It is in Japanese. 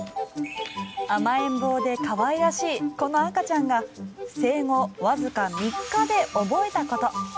甘えん坊で可愛らしいこの赤ちゃんが生後わずか３日で覚えたこと。